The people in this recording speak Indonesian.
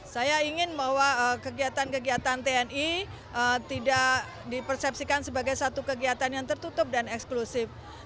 saya ingin bahwa kegiatan kegiatan tni tidak dipersepsikan sebagai satu kegiatan yang tertutup dan eksklusif